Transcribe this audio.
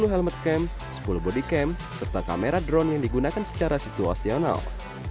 sepuluh helmet camp sepuluh body camp serta kamera drone yang digunakan secara situasional